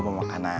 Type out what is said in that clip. gua mau makanan